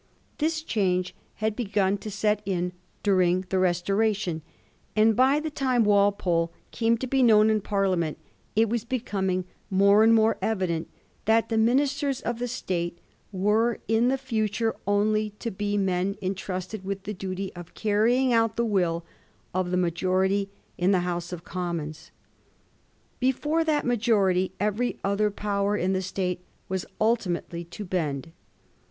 This change had begun to set in during^ the Restoration, and by the time Walpole came to be known in Parliament it was becoming more and more evident that the Ministers of State were in the future only to be men entrusted with the duty of carryings out the will of the majority in the House of Com mons. Before that majority every other power in the State was ultimately to bend.